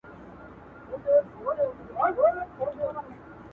چې دی ورباندي په غټه سینه حساب کوي